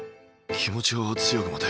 気持ちを強く持て。